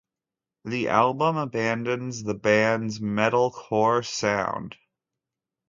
The album abandons the band's metalcore sound.